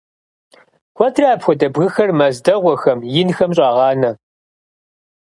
Куэдрэ апхуэдэ бгыхэр мэз дэгъуэхэм, инхэм щӀагъанэ.